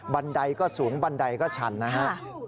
ันไดก็สูงบันไดก็ชันนะฮะ